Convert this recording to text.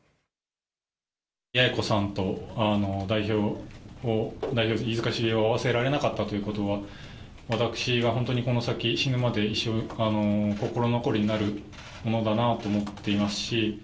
八重子さんと代表の飯塚繁雄を会わせられなかったということは、私が本当にこの先、死ぬまで一生、心残りになるものだなと思っていますし。